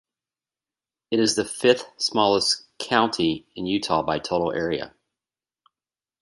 It is the fifth-smallest county in Utah by total area.